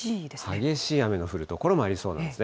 激しい雨の降る所もありそうなんですね。